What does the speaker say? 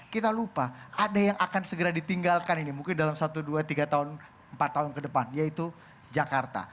kita lupa ada yang akan segera ditinggalkan ini mungkin dalam satu dua tiga tahun empat tahun ke depan yaitu jakarta